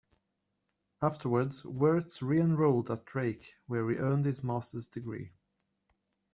Afterwards, Weertz re-enrolled at Drake, where he earned his master's degree.